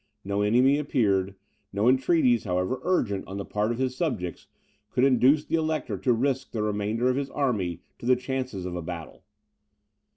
No enemy appeared; no entreaties, however urgent, on the part of his subjects, could induce the Elector to risk the remainder of his army to the chances of a battle.